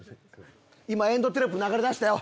今エンドテロップ流れだしたよ！